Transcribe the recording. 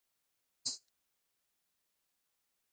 د هغوئ په فوجي عملونو تنقيد کړے دے.